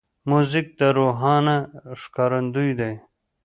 موزیک د روحانه ښکارندوی دی.